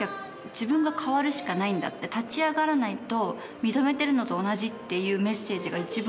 自分が変わるしかないんだって立ち上がらないと認めてるのと同じっていうメッセージが一番